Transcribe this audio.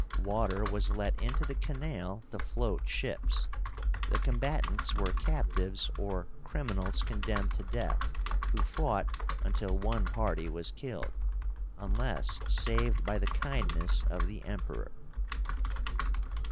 Water was let into the canal to float ships. The combatants were captives, or criminals condemned to death, who fought until one party was killed, unless saved by the kindness of the Emperor.